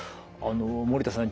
守田さん